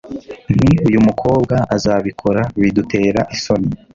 nti uyu mukobwa azabikora bidutera isoni